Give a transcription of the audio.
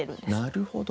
なるほど。